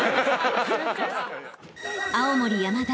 ［青森山田